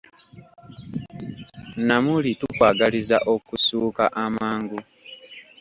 Namuli, tukwagaliza okussuuka amangu!